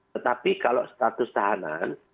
tetapi kalau status tahanan